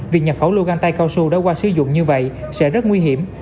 việc nhập khẩu lô găng tay cao su đã qua sử dụng như vậy sẽ rất nguy hiểm